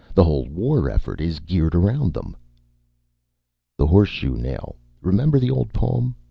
The whole war effort is geared around them." "The horse shoe nail. Remember the old poem?